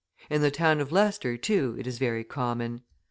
In the town of Leicester, too, it is very common.